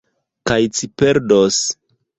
Kaj ci perdos.